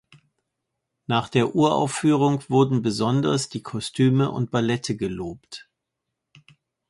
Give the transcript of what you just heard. Nach der Uraufführung wurden besonders die Kostüme und Ballette gelobt.